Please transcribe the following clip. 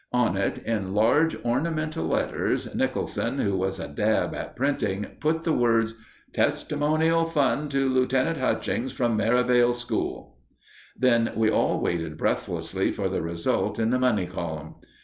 On it, in large ornamental letters, Nicholson, who was a dab at printing, put the words TESTIMONIAL FUND TO LIEUTENANT HUTCHINGS, FROM MERIVALE SCHOOL. Then we all waited breathlessly for the result in the money column.